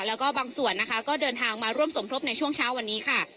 แล้วก็บางส่วนนะคะก็เดินทางมาร่วมสมทบในช่วงเช้าวันนี้ค่ะ